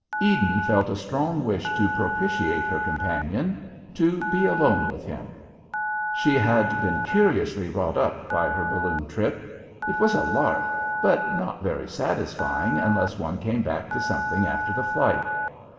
Eden felt a strong wish to propitiate her companion, to be alone with him. She had been curiously wrought up by her balloon trip; it was a lark, but not very satisfying unless one came back to something after the flight.